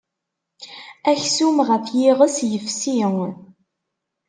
Aksum ɣef yiɣes yefsi.